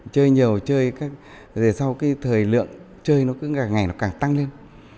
chơi nhiều chơi về sau thời lượng chơi ngày càng tăng lên